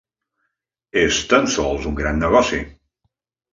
És tan sols un gran negoci.